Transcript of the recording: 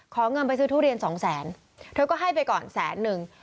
เงินไปซื้อทุเรียนสองแสนเธอก็ให้ไปก่อนแสนนึง